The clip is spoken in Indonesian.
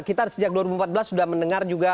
kita sejak dua ribu empat belas sudah mendengar juga